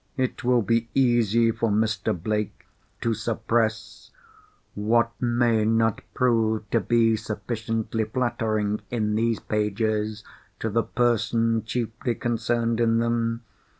It will be easy for Mr. Blake to suppress what may not prove to be sufficiently flattering in these pages to the person chiefly concerned in them.